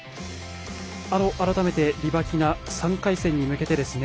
改めてリバキナ、３回戦に向けて